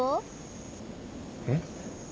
えっ。